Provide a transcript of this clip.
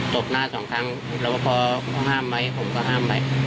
บหน้าสองครั้งแล้วพอเขาห้ามไว้ผมก็ห้ามไว้